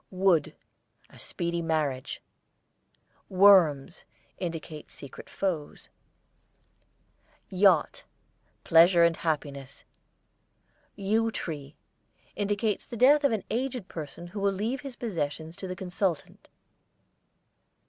WOOD, a speedy marriage. WORMS indicate secret foes. YACHT, pleasure and happiness. YEW TREE indicates the death of an aged person who will leave his possessions to the consultant.